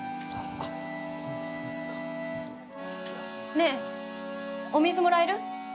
ねぇお水もらえる？